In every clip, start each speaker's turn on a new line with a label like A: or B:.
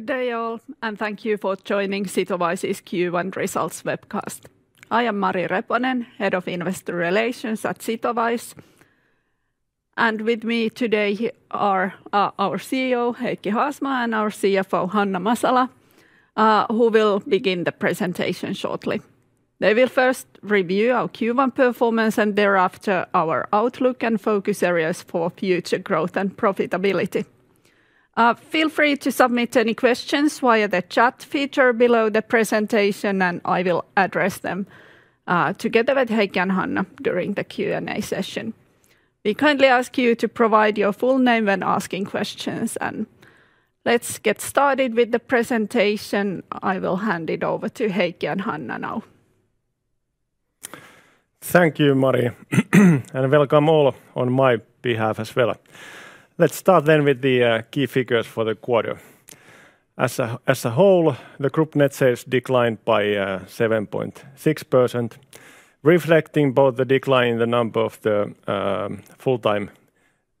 A: Good day, all, and thank you for joining Sitowise's Q1 Results Webcast. I am Mari Reponen, Head of Investor Relations at Sitowise. With me today are our CEO, Heikki Haasmaa, and our CFO, Hanna Masala, who will begin the presentation shortly. They will first review our Q1 performance and thereafter our outlook and focus areas for future growth and profitability. Feel free to submit any questions via the chat feature below the presentation, and I will address them together with Heikki and Hanna during the Q&A session. We kindly ask you to provide your full name when asking questions. Let's get started with the presentation. I will hand it over to Heikki and Hanna now.
B: Thank you, Mari. Welcome all on my behalf as well. Let's start then with the key figures for the quarter. As a whole, the group net sales declined by 7.6%, reflecting both the decline in the number of the full-time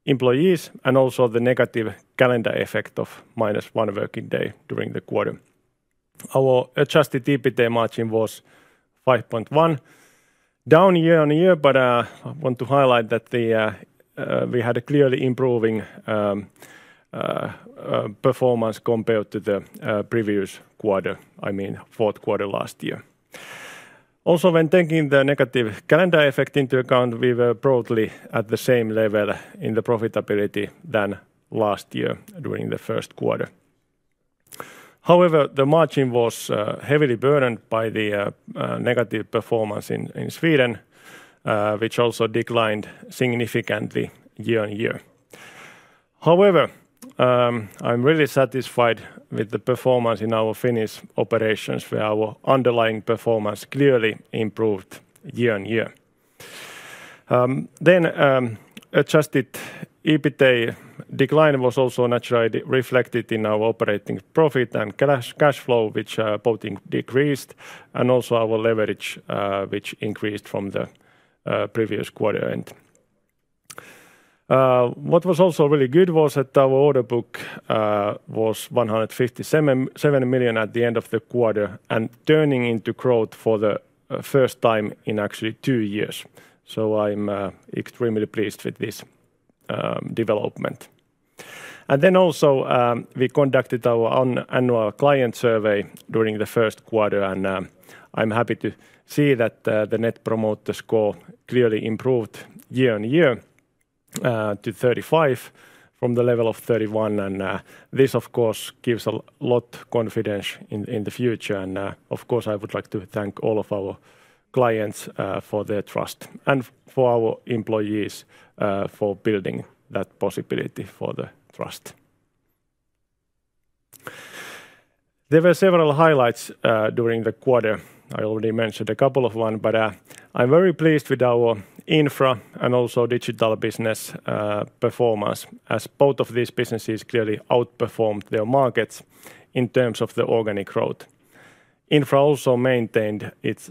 B: employees and also the negative calendar effect of minus one working day during the quarter. Our adjusted EBITDA margin was 5.1%, down year on year, but I want to highlight that we had a clearly improving performance compared to the previous quarter, I mean fourth quarter last year. Also, when taking the negative calendar effect into account, we were probably at the same level in the profitability than last year during the first quarter. However, the margin was heavily burdened by the negative performance in Sweden, which also declined significantly year on year. However, I'm really satisfied with the performance in our Finnish operations, where our underlying performance clearly improved year on year. The adjusted EBITDA decline was also naturally reflected in our operating profit and cash flow, which both decreased, and also our leverage, which increased from the previous quarter end. What was also really good was that our order book was 157 million at the end of the quarter and turning into growth for the first time in actually two years. I'm extremely pleased with this development. We conducted our annual client survey during the first quarter, and I'm happy to see that the Net Promoter Score clearly improved year on year to 35 from the level of 31. This, of course, gives a lot of confidence in the future. Of course, I would like to thank all of our clients for their trust and for our employees for building that possibility for the trust. There were several highlights during the quarter. I already mentioned a couple of them, but I'm very pleased with our Infra and also Digital business performance, as both of these businesses clearly outperformed their markets in terms of the organic growth. Infra also maintained its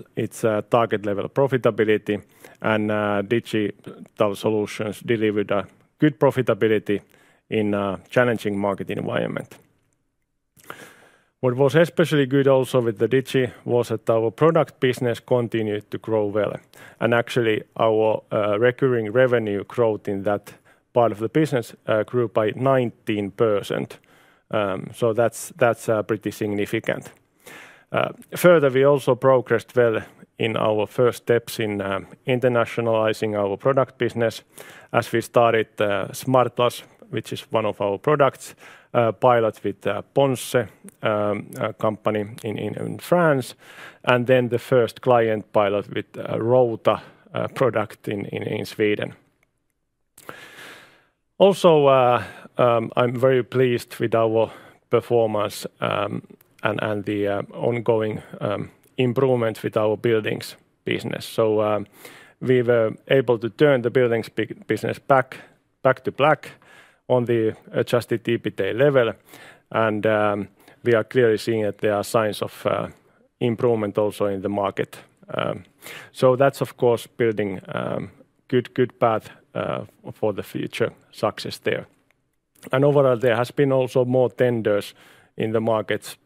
B: target level of profitability, and Digital Solutions delivered a good profitability in a challenging market environment. What was especially good also with the Digi was that our product business continued to grow well. Actually, our recurring revenue growth in that part of the business grew by 19%. That's pretty significant. Further, we also progressed well in our first steps in internationalizing our product business, as we started Smartlas, which is one of our products, pilot with Ponsse company in France, and then the first client pilot with Routa product in Sweden. Also, I'm very pleased with our performance and the ongoing improvements with our Buildings business. We were able to turn the Buildings business back to black on the adjusted EBITDA level. We are clearly seeing that there are signs of improvement also in the market. That is, of course, building a good path for the future success there. Overall, there has been also more tenders in the markets,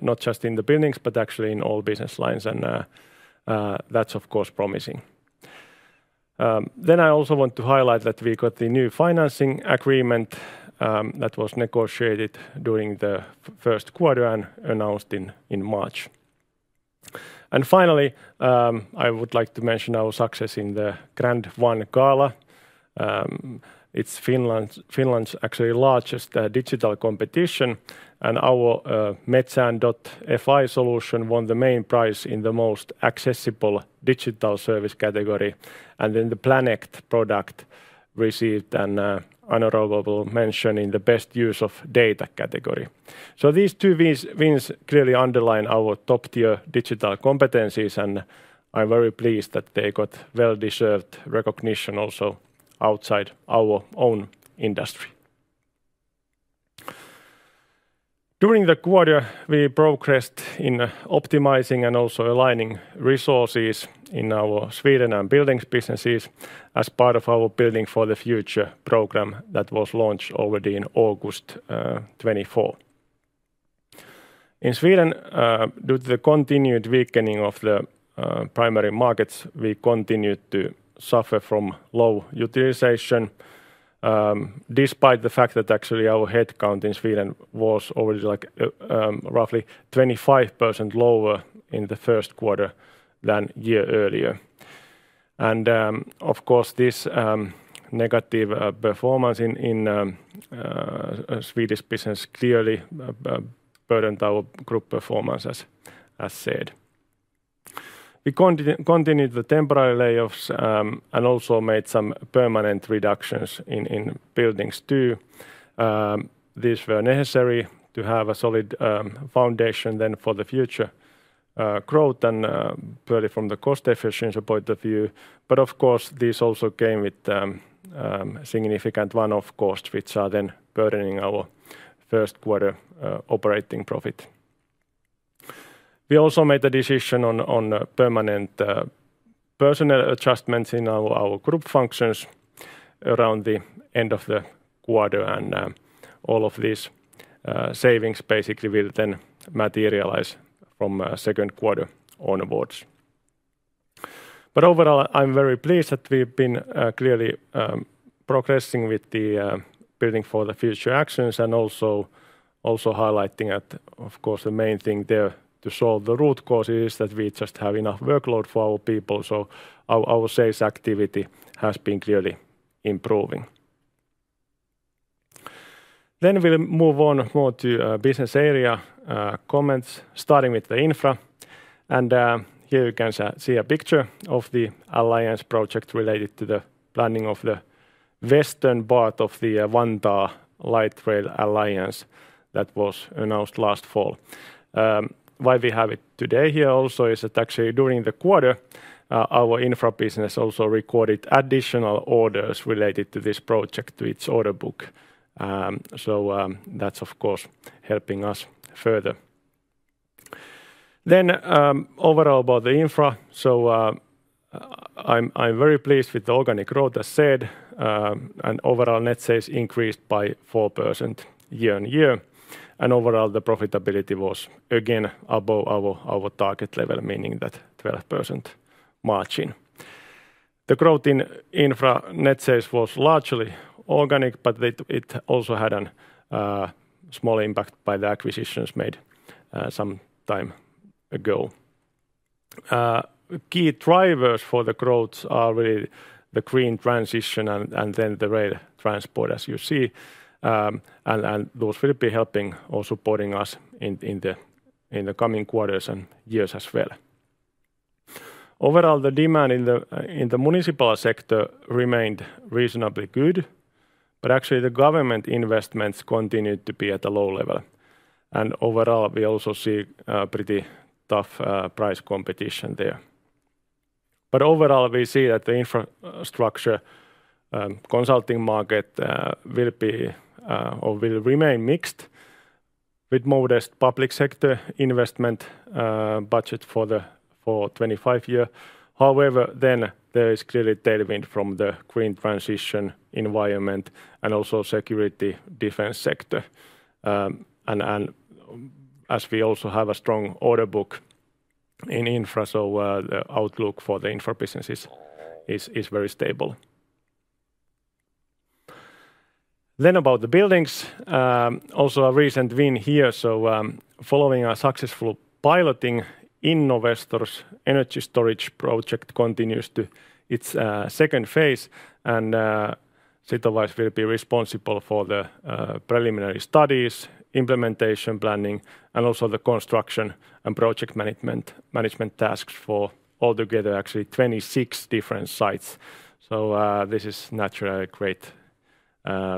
B: not just in the Buildings, but actually in all business lines. That is, of course, promising. I also want to highlight that we got the new financing agreement that was negotiated during the first quarter and announced in March. Finally, I would like to mention our success in the Grand One Gala. It is Finland's actually largest digital competition. Our Metsään.fi solution won the main prize in the most accessible digital service category. The Planect product received an honorable mention in the best use of data category. These two wins clearly underline our top tier digital competencies. I am very pleased that they got well-deserved recognition also outside our own industry. During the quarter, we progressed in optimizing and also aligning resources in our Sweden and buildings businesses as part of our Building for the Future program that was launched already in August 2024. In Sweden, due to the continued weakening of the primary markets, we continued to suffer from low utilization, despite the fact that actually our headcount in Sweden was already roughly 25% lower in the first quarter than a year earlier. Of course, this negative performance in Swedish business clearly burdened our group performance, as said. We continued the temporary layoffs and also made some permanent reductions in Buildings too. These were necessary to have a solid foundation then for the future growth and from the cost efficiency point of view. Of course, these also came with significant one-off costs, which are then burdening our first quarter operating profit. We also made a decision on permanent personnel adjustments in our group functions around the end of the quarter. All of these savings basically will then materialize from second quarter onwards. Overall, I'm very pleased that we've been clearly progressing with the Building for the Future actions and also highlighting that, of course, the main thing there to solve the root causes is that we just have enough workload for our people. Our sales activity has been clearly improving. We will move on more to business area comments, starting with the Infra. Here you can see a picture of the alliance project related to the planning of the western part of the Vantaa Light Rail Alliance that was announced last fall. Why we have it today here also is that actually during the quarter, our Infra business also recorded additional orders related to this project to its order book. That's, of course, helping us further. Overall about the Infra, I'm very pleased with the organic growth, as said. Overall, net sales increased by 4% year on year. Overall, the profitability was again above our target level, meaning that 12% margin. The growth in infra net sales was largely organic, but it also had a small impact by the acquisitions made some time ago. Key drivers for the growth are really the Green Transition and then the red transport, as you see. Those will be helping or supporting us in the coming quarters and years as well. Overall, the demand in the municipal sector remained reasonably good, but actually the government investments continued to be at a low level. Overall, we also see pretty tough price competition there. Overall, we see that the infrastructure consulting market will remain mixed with modest public sector investment budget for the 2025 year. However, there is clearly tailwind from the Green Transition environment and also security defense sector. As we also have a strong order book in Infra, the outlook for the Infra businesses is very stable. About the Buildings, also a recent win here. Following a successful piloting, Innovestor's energy storage project continues to its second phase. Sitowise will be responsible for the preliminary studies, implementation planning, and also the construction and project management tasks for altogether actually 26 different sites. This is naturally a great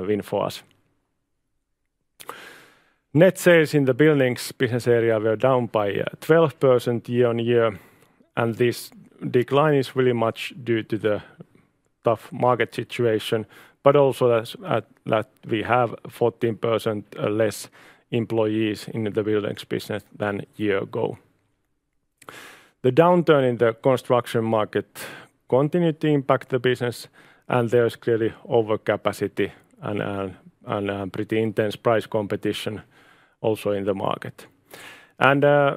B: win for us. Net sales in the Buildings business area were down by 12% year on year. This decline is really much due to the tough market situation, but also that we have 14% less employees in the Buildings business than a year ago. The downturn in the construction market continued to impact the business, and there is clearly overcapacity and pretty intense price competition also in the market.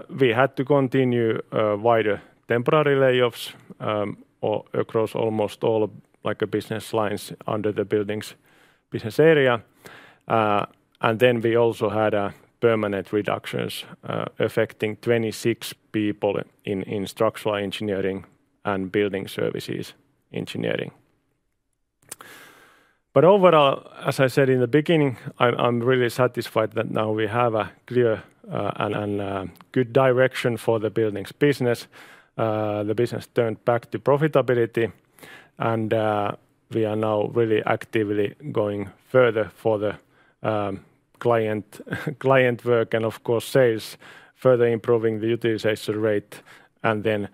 B: We had to continue wider temporary layoffs across almost all business lines under the Buildings business area. We also had permanent reductions affecting 26 people in structural engineering and building services engineering. Overall, as I said in the beginning, I'm really satisfied that now we have a clear and good direction for the Buildings business. The business turned back to profitability, and we are now really actively going further for the client work and, of course, sales, further improving the utilization rate and then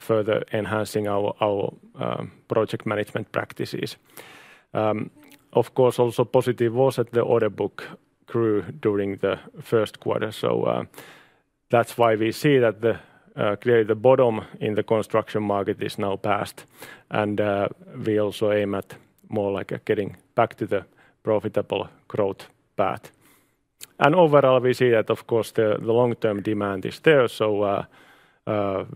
B: further enhancing our project management practices. Of course, also positive was that the order book grew during the first quarter. That is why we see that clearly the bottom in the construction market is now passed. We also aim at more like getting back to the profitable growth path. Overall, we see that, of course, the long-term demand is there.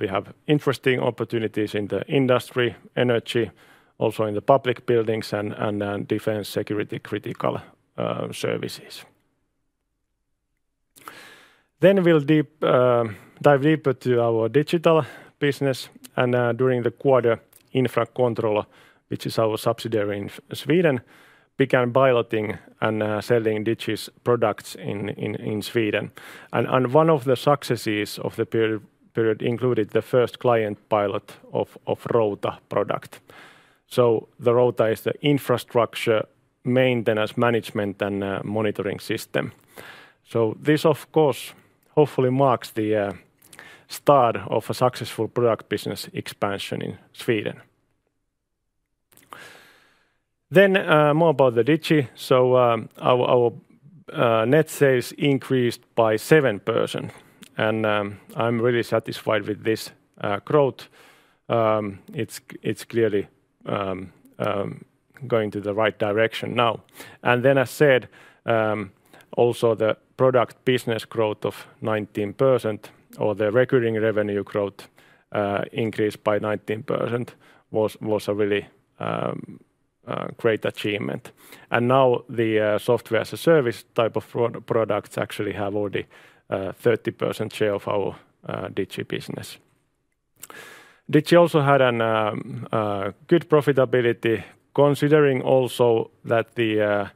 B: We have interesting opportunities in the industry, energy, also in the public buildings and defense security critical services. We will dive deeper to our Digital business. During the quarter, Infracontrol, which is our subsidiary in Sweden, began piloting and selling Digi's products in Sweden. One of the successes of the period included the first client pilot of Routa product. Routa is the infrastructure maintenance management and monitoring system. This, of course, hopefully marks the start of a successful product business expansion in Sweden. More about the Digi. Our net sales increased by 7%. I'm really satisfied with this growth. It's clearly going to the right direction now. As said, also the product business growth of 19% or the recurring revenue growth increased by 19% was a really great achievement. Now the Software as a Service type of products actually have already a 30% share of our Digi business. Digi also had a good profitability, considering also that the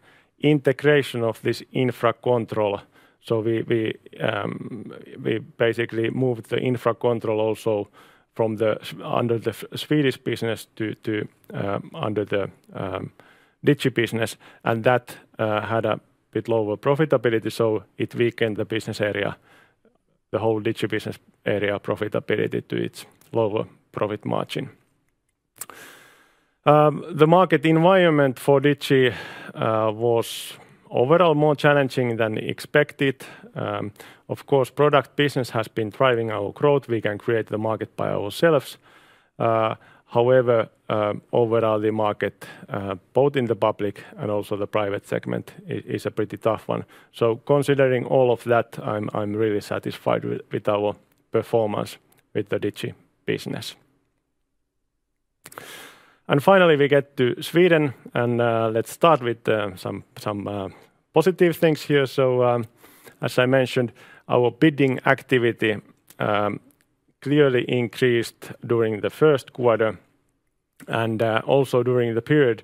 B: integration of Infracontrol. We basically moved Infracontrol also under the Swedish business to under the Digi business. That had a bit lower profitability. It weakened the business area, the whole Digi business area profitability to its lower profit margin. The market environment for Digi was overall more challenging than expected. Of course, product business has been driving our growth. We can create the market by ourselves. However, overall, the market, both in the public and also the private segment, is a pretty tough one. Considering all of that, I'm really satisfied with our performance with the Digi business. Finally, we get to Sweden. Let's start with some positive things here. As I mentioned, our bidding activity clearly increased during the first quarter. Also during the period,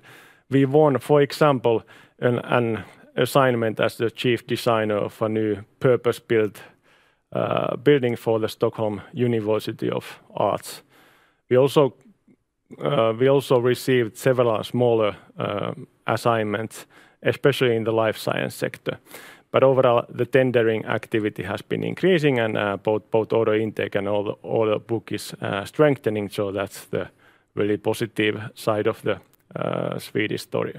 B: we won, for example, an assignment as the chief designer of a new purpose-built building for the Stockholm University of the Arts. We also received several smaller assignments, especially in the Life Science sector. Overall, the tendering activity has been increasing, and both order intake and order book is strengthening. That's the really positive side of the Swedish story.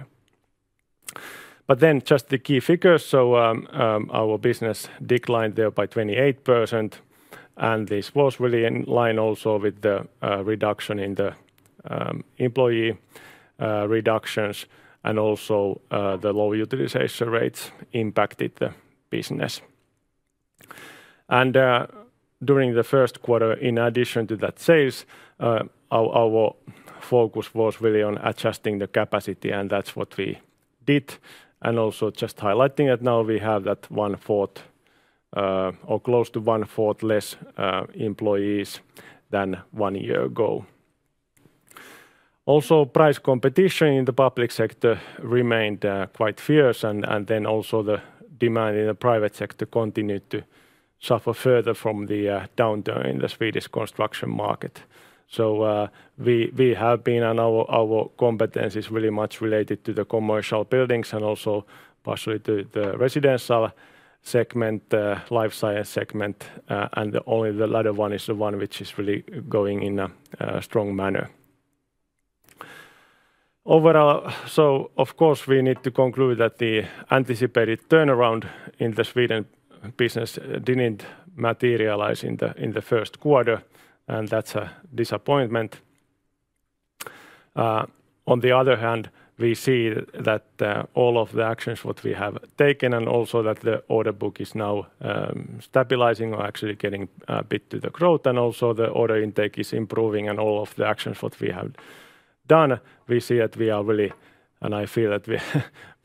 B: Then just the key figures. Our business declined there by 28%. This was really in line also with the reduction in the employee reductions. Also the low utilization rates impacted the business. During the first quarter, in addition to that sales, our focus was really on adjusting the capacity. That is what we did. Also, just highlighting that now we have that 1/4 or close to 1/4 less employees than one year ago. Price competition in the public sector remained quite fierce. Also, the demand in the private sector continued to suffer further from the downturn in the Swedish construction market. We have been on our competencies really much related to the commercial buildings and also partially to the residential segment, life science segment. Only the latter one is the one which is really going in a strong manner. Overall, of course, we need to conclude that the anticipated turnaround in the Sweden business did not materialize in the first quarter. That is a disappointment. On the other hand, we see that all of the actions what we have taken and also that the order book is now stabilizing or actually getting a bit to the growth. Also the order intake is improving. All of the actions what we have done, we see that we are really, and I feel that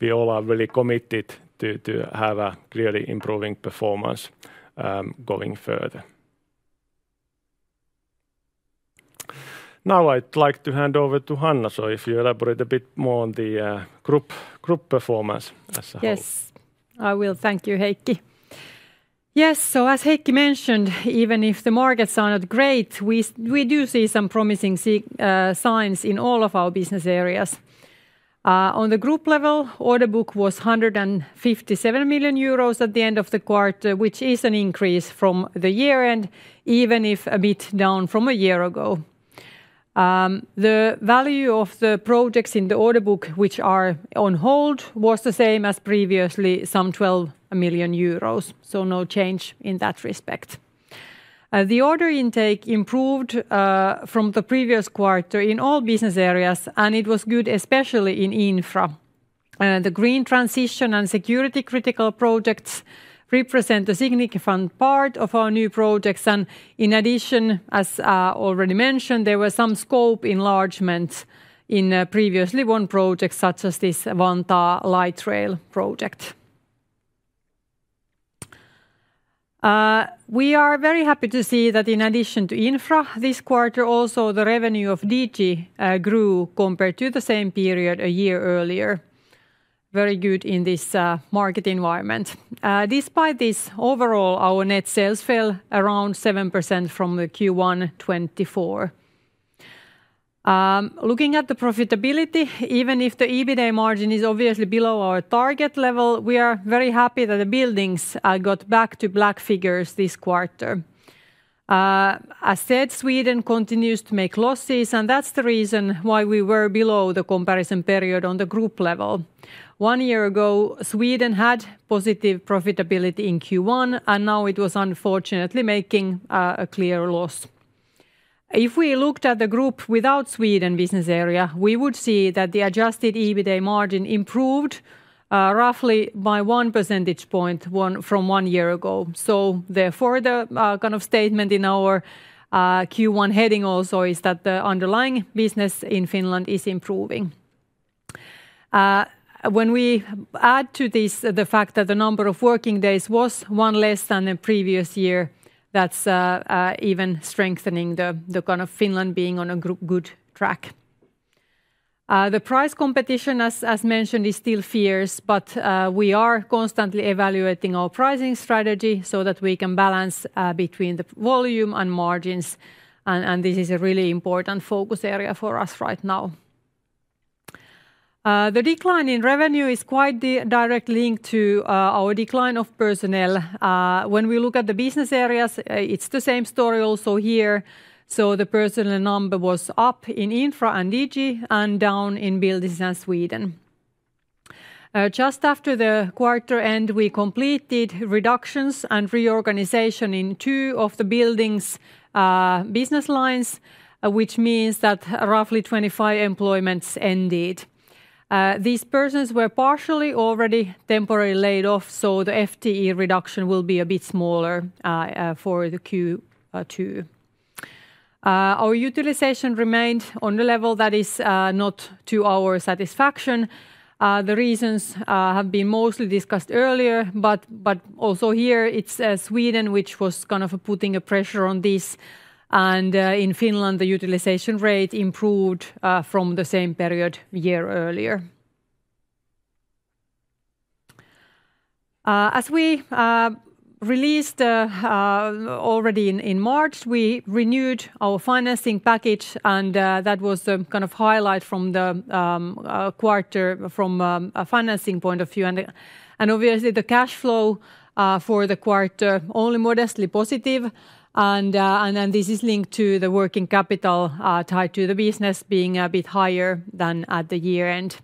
B: we all are really committed to have a clearly improving performance going further. Now I'd like to hand over to Hanna. If you elaborate a bit more on the group performance as a whole.
C: Yes, I will. Thank you, Heikki. Yes, as Heikki mentioned, even if the markets are not great, we do see some promising signs in all of our business areas. On the group level, order book was 157 million euros at the end of the quarter, which is an increase from the year-end, even if a bit down from a year ago. The value of the projects in the order book, which are on hold, was the same as previously, some 12 million euros. No change in that respect. The order intake improved from the previous quarter in all business areas, and it was good, especially in Infra. The Green Transition and security critical projects represent a significant part of our new projects. In addition, as already mentioned, there was some scope enlargement in previously won projects, such as this Vantaa Light Rail project. We are very happy to see that in addition to Infra, this quarter also the revenue of Digi grew compared to the same period a year earlier. Very good in this market environment. Despite this, overall, our net sales fell around 7% from the Q1 2024. Looking at the profitability, even if the EBITDA margin is obviously below our target level, we are very happy that the Buildings got back to black figures this quarter. As said, Sweden continues to make losses, and that's the reason why we were below the comparison period on the group level. One year ago, Sweden had positive profitability in Q1, and now it was unfortunately making a clear loss. If we looked at the group without Sweden business area, we would see that the adjusted EBITDA margin improved roughly by one percentage point from one year ago. The further kind of statement in our Q1 heading also is that the underlying business in Finland is improving. When we add to this the fact that the number of working days was one less than the previous year, that's even strengthening the kind of Finland being on a good track. The price competition, as mentioned, is still fierce, but we are constantly evaluating our pricing strategy so that we can balance between the volume and margins. This is a really important focus area for us right now. The decline in revenue is quite directly linked to our decline of personnel. When we look at the business areas, it's the same story also here. The personnel number was up in Infra and Digi and down in Buildings and Sweden. Just after the quarter end, we completed reductions and reorganization in two of the Buildings' business lines, which means that roughly 25 employments ended. These persons were partially already temporarily laid off, so the FTE reduction will be a bit smaller for Q2. Our utilization remained on the level that is not to our satisfaction. The reasons have been mostly discussed earlier, but also here it's Sweden which was kind of putting a pressure on this. In Finland, the utilization rate improved from the same period a year earlier. As we released already in March, we renewed our financing package, and that was the kind of highlight from the quarter from a financing point of view. Obviously, the cash flow for the quarter only modestly positive. This is linked to the working capital tied to the business being a bit higher than at the year-end.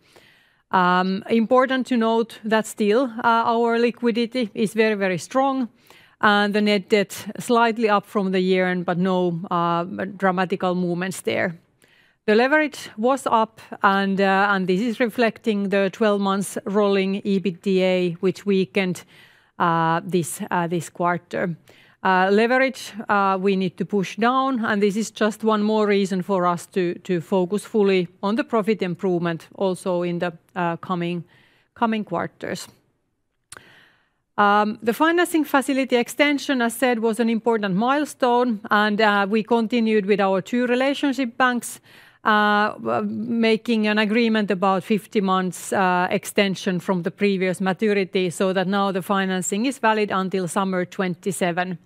C: Important to note that still our liquidity is very, very strong. The net debt is slightly up from the year-end, but no dramatical movements there. The leverage was up, and this is reflecting the 12-month rolling EBITDA, which weakened this quarter. Leverage we need to push down, and this is just one more reason for us to focus fully on the profit improvement also in the coming quarters. The financing facility extension, as said, was an important milestone, and we continued with our two relationship banks, making an agreement about 50 months extension from the previous maturity so that now the financing is valid until summer 2027.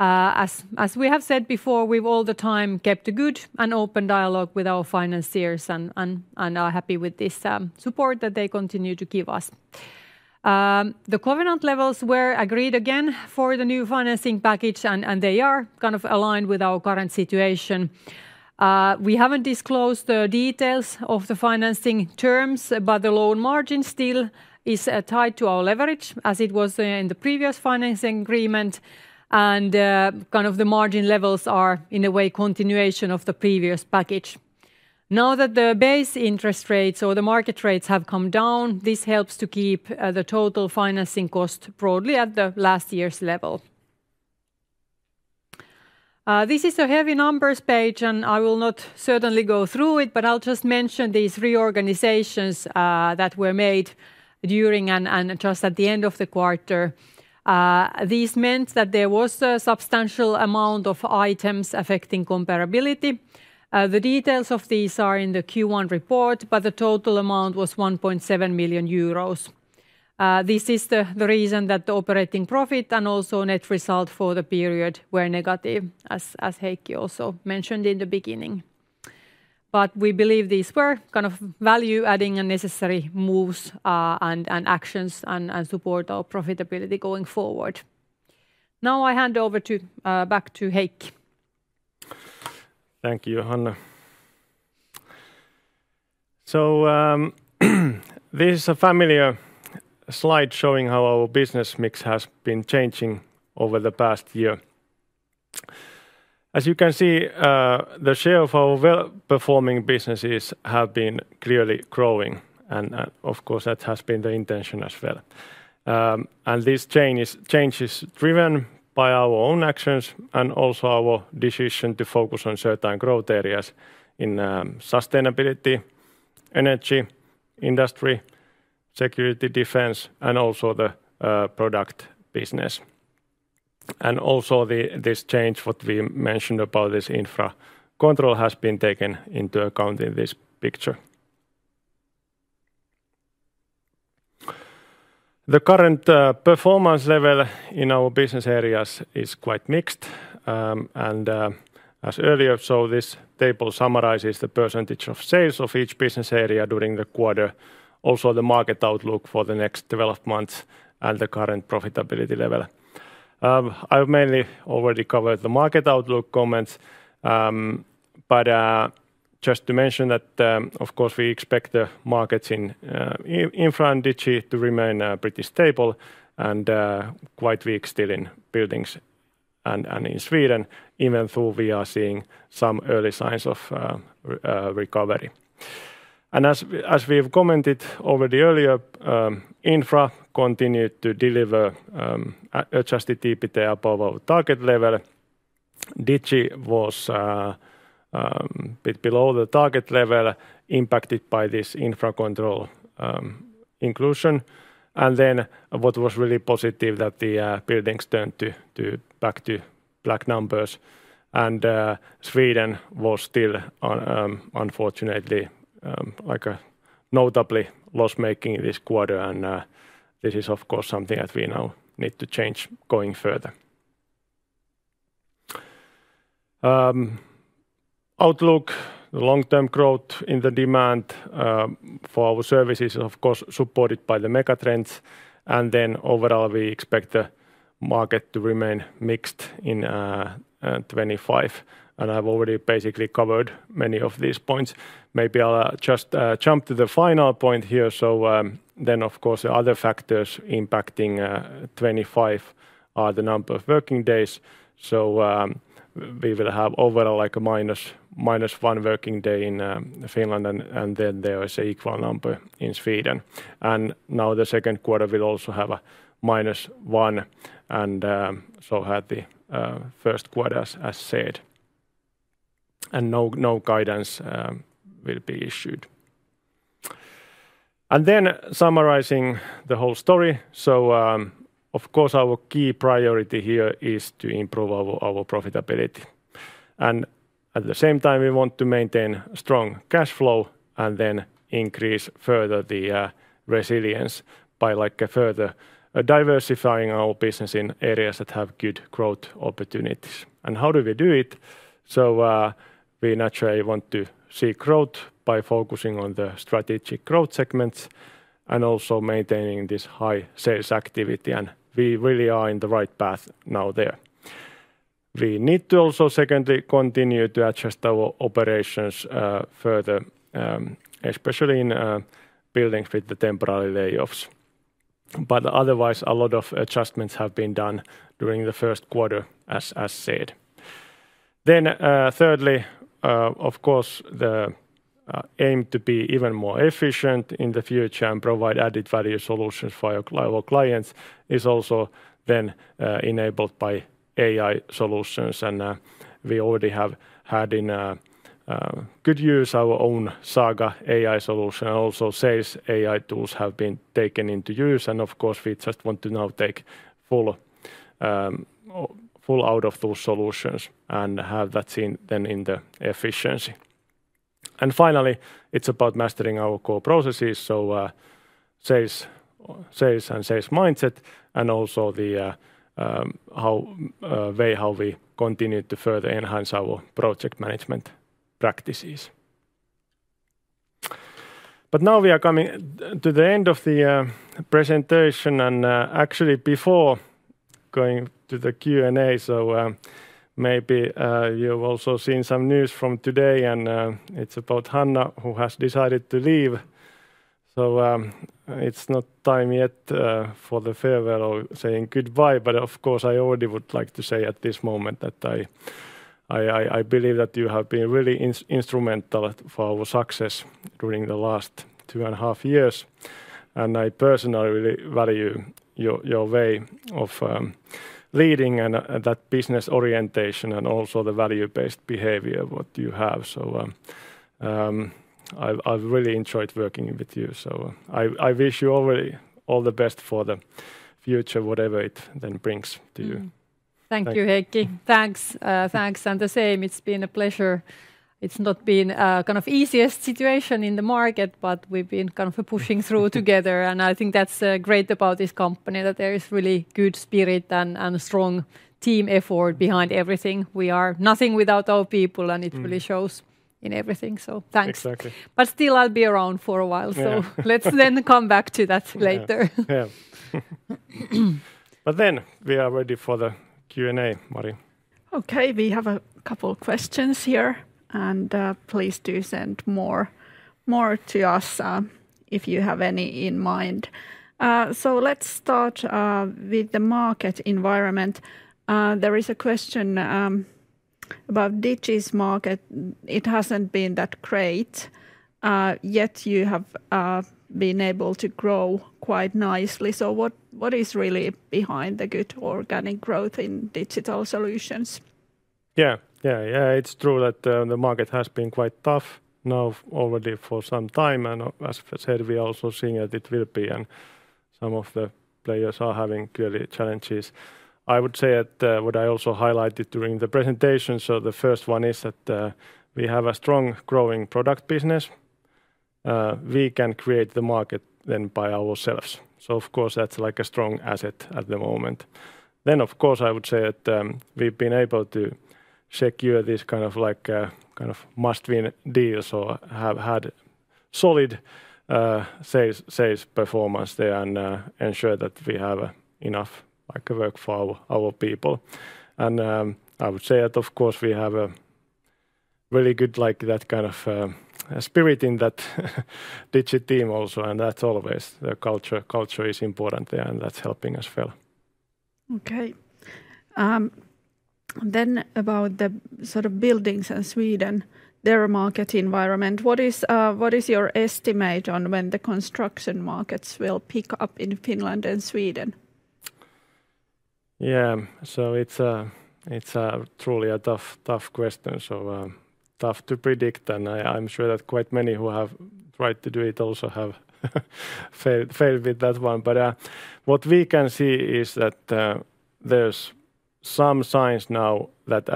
C: As we have said before, we have all the time kept a good and open dialogue with our financiers and are happy with this support that they continue to give us. The covenant levels were agreed again for the new financing package, and they are kind of aligned with our current situation. We have not disclosed the details of the financing terms, but the loan margin still is tied to our leverage, as it was in the previous financing agreement. The margin levels are in a way a continuation of the previous package. Now that the base interest rates or the market rates have come down, this helps to keep the total financing cost broadly at last year's level. This is a heavy numbers page, and I will not certainly go through it, but I will just mention these reorganizations that were made during and just at the end of the quarter. This meant that there was a substantial amount of items affecting comparability. The details of these are in the Q1 report, but the total amount was 1.7 million euros. This is the reason that the operating profit and also net result for the period were negative, as Heikki also mentioned in the beginning. We believe these were kind of value-adding and necessary moves and actions and support our profitability going forward. Now I hand over back to Heikki.
B: Thank you, Hanna. This is a familiar slide showing how our business mix has been changing over the past year. As you can see, the share of our well-performing businesses has been clearly growing. Of course, that has been the intention as well. This change is driven by our own actions and also our decision to focus on certain growth areas in sustainability, energy, industry, security, defense, and also the product business. This change, what we mentioned about this Infracontrol, has been taken into account in this picture. The current performance level in our business areas is quite mixed. As earlier, this table summarizes the % of sales of each business area during the quarter, also the market outlook for the next 12 months and the current profitability level. I've mainly already covered the market outlook comments, but just to mention that, of course, we expect the markets in Infra and Digi to remain pretty stable and quite weak still in Buildings and in Sweden, even though we are seeing some early signs of recovery. As we've commented already earlier, Infra continued to deliver just the TPT above our target level. Digi was a bit below the target level, impacted by this Infracontrol inclusion. What was really positive is that the Buildings turned back to black numbers. Sweden was still, unfortunately, like a notably loss-making this quarter. This is, of course, something that we now need to change going further. Outlook, the long-term growth in the demand for our services is, of course, supported by the megatrends. Overall, we expect the market to remain mixed in 2025. I have already basically covered many of these points. Maybe I will just jump to the final point here. The other factors impacting 2025 are the number of working days. We will have overall like a minus one working day in Finland, and then there is an equal number in Sweden. The second quarter will also have a minus one, so had the first quarters, as said. No guidance will be issued. Summarizing the whole story, of course our key priority here is to improve our profitability. At the same time, we want to maintain strong cash flow and then increase further the resilience by, like, further diversifying our business in areas that have good growth opportunities. How do we do it? We naturally want to see growth by focusing on the strategic growth segments and also maintaining this high sales activity. We really are in the right path now there. We need to also, secondly, continue to adjust our operations further, especially in Buildings with the temporary layoffs. Otherwise, a lot of adjustments have been done during the first quarter, as said. Thirdly, of course, the aim to be even more efficient in the future and provide added value solutions for our clients is also then enabled by AI solutions. We already have had in good use our own Saga AI solution. Also, Sales AI tools have been taken into use. Of course, we just want to now take full out of those solutions and have that seen then in the efficiency. Finally, it is about mastering our core processes, so sales and sales mindset, and also the way how we continue to further enhance our project management practices. Now we are coming to the end of the presentation. Actually, before going to the Q&A, maybe you have also seen some news from today, and it is about Hanna, who has decided to leave. It is not time yet for the farewell or saying goodbye. Of course, I already would like to say at this moment that I believe that you have been really instrumental for our success during the last two and a half years. I personally really value your way of leading and that business orientation and also the value-based behavior that you have. I have really enjoyed working with you. I wish you already all the best for the future, whatever it then brings to you.
C: Thank you, Heikki. Thanks. Thanks. The same, it has been a pleasure. It has not been the easiest situation in the market, but we have been pushing through together. I think that is great about this company, that there is really good spirit and strong team effort behind everything. We are nothing without our people, and it really shows in everything. Thanks. Still I will be around for a while. Let us come back to that later.
B: We are ready for the Q&A, Mari.
A: We have a couple of questions here. Please do send more to us if you have any in mind. Let's start with the market environment. There is a question about Digi's market. It hasn't been that great. Yet you have been able to grow quite nicely. What is really behind the good organic growth in Digital Solutions?
B: Yeah, it's true that the market has been quite tough now already for some time. As I said, we are also seeing that it will be. Some of the players are having clearly challenges. I would say that what I also highlighted during the presentation, the first one is that we have a strong growing product business. We can create the market then by ourselves. Of course, that's a strong asset at the moment. Of course, I would say that we've been able to secure this kind of must-win deals or have had solid sales performance there and ensure that we have enough work for our people. I would say that of course we have a really good spirit in that Digi team also. The culture is important and that's helping us as well.
A: About the sort of buildings and Sweden, their market environment. What is your estimate on when the construction markets will pick up in Finland and Sweden?
B: It's truly a tough question. Tough to predict. I'm sure that quite many who have tried to do it also have failed with that one. What we can see is that there are some signs now that,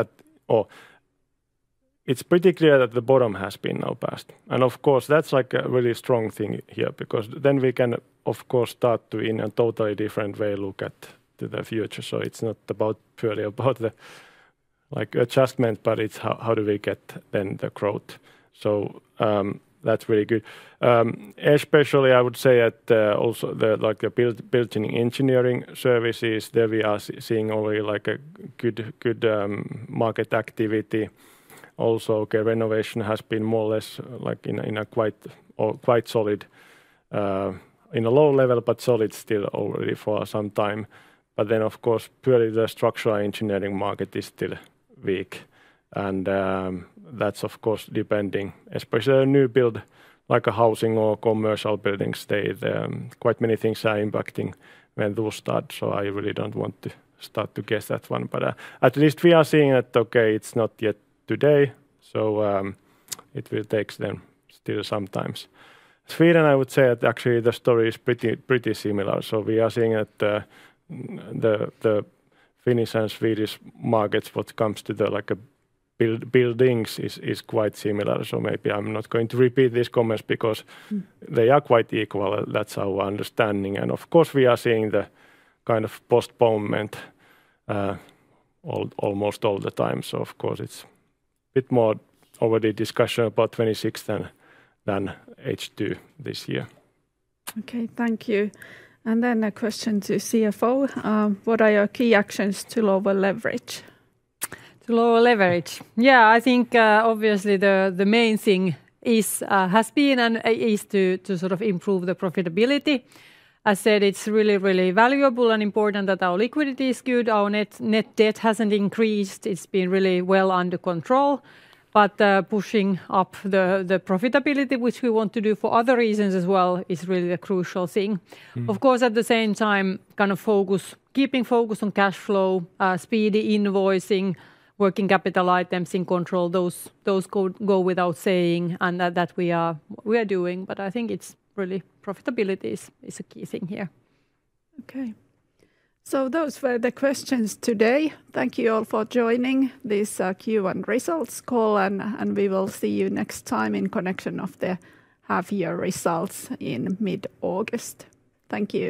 B: it's pretty clear that the bottom has now been passed. Of course, that's a really strong thing here because then we can, of course, start to in a totally different way look at the future. It's not purely about the adjustment, but it's how do we get then the growth. That's really good. Especially, I would say that also the building engineering services, there we are seeing already good market activity. Also, renovation has been more or less in a quite solid, in the low level, but solid still already for some time. Of course, purely the structural engineering market is still weak. That's depending especially on new build, like housing or commercial building state. Quite many things are impacting when those start so I really don't want to start to guess that one. At least we are seeing that okay, it's not yet today. It will take then still some time. Sweden, I would say that actually the story is pretty similar. We are seeing that the Finnish and Swedish markets, when it comes to the buildings, are quite similar. Maybe I'm not going to repeat these comments because they are quite equal. That's our understanding. Of course, we are seeing the kind of postponement almost all the time. Of course, it's a bit more already discussion about 2026 than H2 this year.
A: Thank you. A question to the CFO. What are your key actions to lower leverage?
C: To lower leverage? I think obviously the main thing has been and is to sort of improve the profitability. As said, it's really, really valuable and important that our liquidity is good. Our net debt hasn't increased. It's been really well under control. Pushing up the profitability, which we want to do for other reasons as well, is really a crucial thing. Of course, at the same time, kind of keeping focus on cash flow, speedy invoicing, working capital items in control. Those go without saying and that we are doing. I think it's really profitability is a key thing here.
A: Those were the questions today. Thank you all for joining this Q1 results call. We will see you next time in connection of the half-year results in mid-August. Thank you.